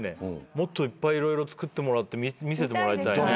もっといっぱい色々作ってもらって見せてもらいたい。